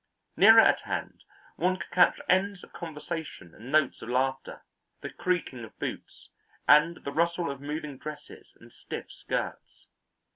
Nearer at hand one could catch ends of conversation and notes of laughter, the creaking of boots, and the rustle of moving dresses and stiff skirts.